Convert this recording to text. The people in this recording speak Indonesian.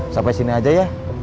sampai sini aja ya